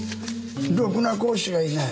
ろくな講師がいない。